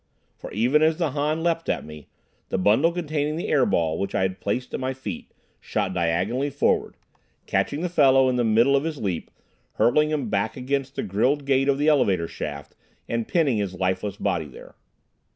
For even as the Han leaped at me, the bundle containing the air ball, which I had placed at my feet, shot diagonally upward, catching the fellow in the middle of his leap, hurling him back against the grilled gate of the elevator shaft, and pinning his lifeless body there.